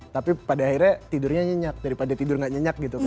tapi pada akhirnya tidurnya nyenyak daripada tidur gak nyenyak gitu kan